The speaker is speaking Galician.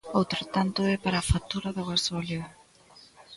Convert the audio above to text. Outro tanto é para a factura do gasóleo.